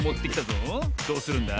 どうするんだ？